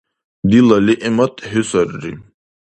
Дила лигӀмат хӀу сарри.